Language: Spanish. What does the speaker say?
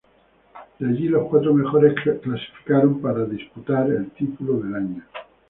De allí los cuatro mejores clasificaron para disputar el título del año.